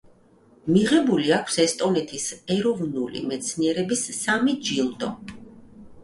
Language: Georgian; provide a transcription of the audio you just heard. მიღებული აქვს ესტონეთის ეროვნული მეცნიერების სამი ჯილდო.